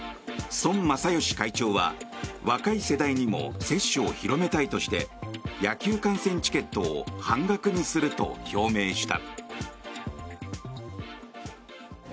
孫正義会長は若い世代にも接種を広めたいとして野球観戦チケットを半額にすると表明した。